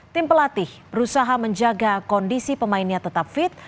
tim pelatih berusaha menjaga kondisi pemainnya tetap fit